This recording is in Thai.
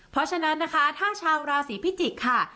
เพราะฉะนั้นนะคะถ้าชาวราศีพิจิกษ์ค่ะ